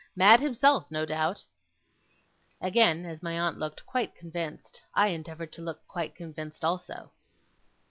Mad himself, no doubt.' Again, as my aunt looked quite convinced, I endeavoured to look quite convinced also.